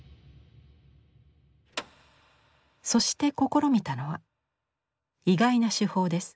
そして試みたのは意外な手法です。